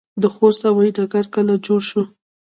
د خوست هوايي ډګر کله جوړ شو؟